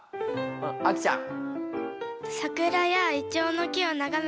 あきちゃん。